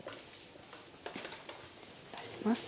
出します。